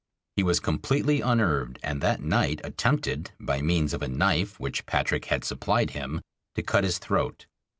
He was completely unnerved and that night attempted, by means of a knife which Patrick had supplied him, to cut his throat.